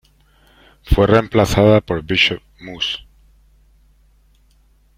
Fue reemplazada por "Bishop Mus.